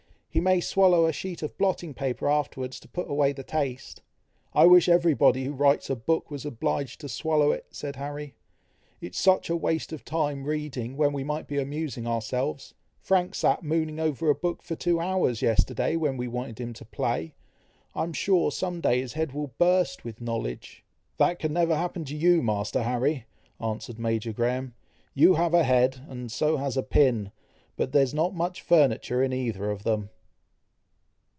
he may swallow a sheet of blotting paper afterwards, to put away the taste." "I wish every body who writes a book, was obliged to swallow it," said Harry. "It is such a waste of time reading, when we might be amusing ourselves. Frank sat mooning over a book for two hours yesterday when we wanted him to play. I am sure, some day his head will burst with knowledge." "That can never happen to you, Master Harry," answered Major Graham; "you have a head, and so has a pin, but there is not much furniture in either of them."